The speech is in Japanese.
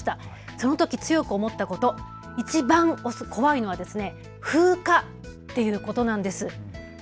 そのとき強く思ったこと、いちばん怖いのは風化っていうことなんです。